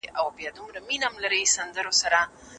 بازاريانو د ساعت قدر نه کاوه.